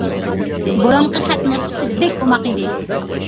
بۇرۇنقى خەت نۇسخىسى بەك ئوماق ئىدى.